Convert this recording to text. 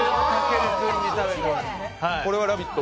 これは「ラヴィット！」